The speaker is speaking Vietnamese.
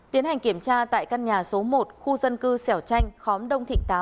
tiến hành kiểm tra tại căn nhà số một khu dân cư sẻo chanh khóm đông thịnh tám